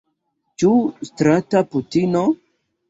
Ĉu strata putino?